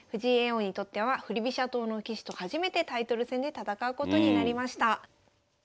王にとっては振り飛車党の棋士と初めてタイトル戦で戦うことになりました。